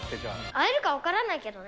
会えるか分からないけどね。